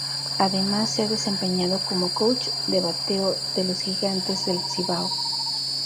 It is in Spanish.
Además se ha desempeñado como coach de bateo de los Gigantes del Cibao.